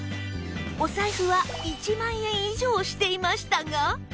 お財布は１万円以上していましたが